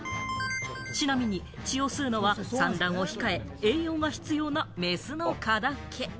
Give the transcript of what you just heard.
ちなみに血を吸うのは産卵を控え、栄養が必要なメスの蚊だけ。